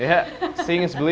aku butuh bukti